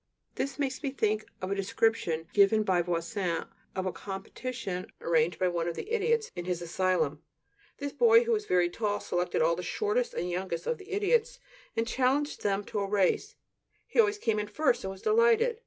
This makes me think of a description given by Voisin of a competition arranged by one of the idiots in his asylum. This boy, who was very tall, selected all the shortest and youngest of the idiots, and challenged them to a race; he always came in first and was delighted.